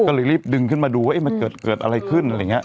ก็เลยรีบดึงขึ้นมาดูว่าเกิดอะไรขึ้น